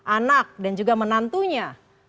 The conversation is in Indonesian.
anak dan juga menantunya